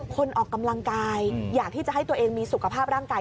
คนออกกำลังกายอยากที่จะให้ตัวเองมีสุขภาพร่างกาย